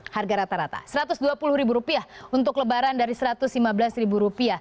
harga rata rata rp satu ratus dua puluh untuk lebaran dari rp satu ratus lima belas